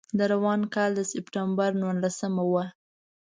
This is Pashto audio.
د روان کال د سپټمبر نولسمه وه.